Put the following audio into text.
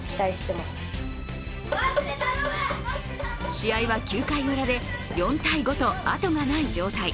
試合は９回ウラで４−５とあとがない状態。